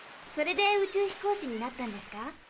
それで宇宙飛行士になったんですか？